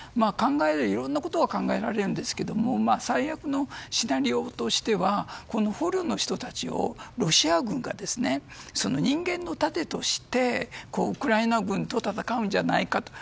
いろいろなことが考えられますが最悪のシナリオとしては捕虜の人たちをロシア軍が人間の盾としてウクライナ軍と戦うんじゃないかと。